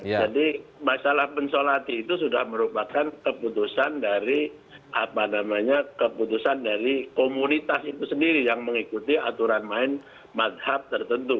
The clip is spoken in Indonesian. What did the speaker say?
jadi masalah pensolati itu sudah merupakan keputusan dari komunitas itu sendiri yang mengikuti aturan main madhab tertentu